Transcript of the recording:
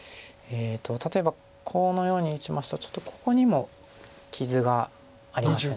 例えばこのように打ちますとちょっとここにも傷がありました。